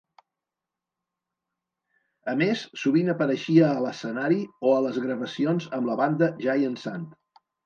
A més, sovint apareixia a l'escenari o a les gravacions amb la banda Giant Sand.